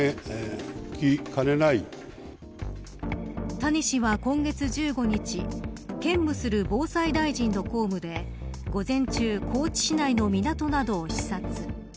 谷氏は今月１５日兼務する防災大臣の公務で午前中高知市内の港などを視察。